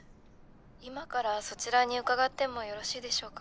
今からそちらに伺ってもよろしいでしょうか？